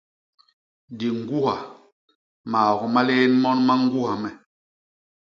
Di ñgwuha; maok ma lién mon ma ñgwuha me!